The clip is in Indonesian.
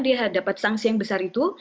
dia dapat sanksi yang besar itu